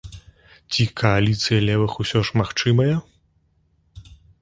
Ці кааліцыя левых усё ж магчымая?